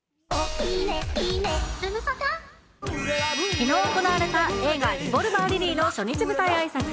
きのう行われた映画、リボルバー・リリーの初日舞台あいさつ。